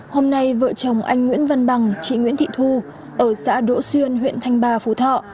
hôm nay vợ chồng anh nguyễn văn bằng chị nguyễn thị thu ở xã đỗ xuyên huyện thanh ba phú thọ